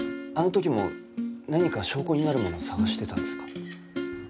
あの時も何か証拠になるものを探してたんですか？